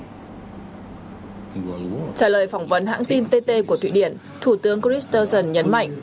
trả lời phỏng vấn hãng tin tt của thụy điển thủ tướng christensen nhấn mạnh